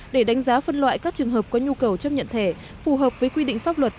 để đánh giá phân loại các trường hợp có nhu cầu chấp nhận thẻ phù hợp với quy định pháp luật